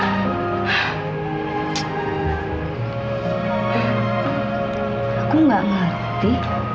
aku gak ngerti